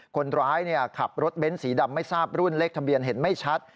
คนร้ายขับรถเบ้นสีดำไม่ทราบรุ่นเลขทะเบียนเห็นไม่ชัด